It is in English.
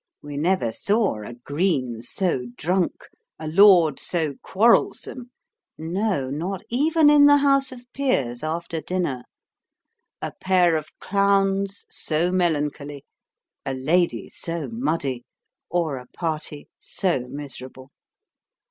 We never saw a " green " so drunk, a lord so quarrelsome (no : not even in the House of Peers after dinner), a pair of clowns BO melancholy, a lady BO muddy, or a party so miserable.